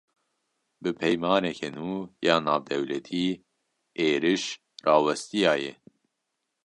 Bi peymaneke nû ya navdewletî, êriş rawestiya ye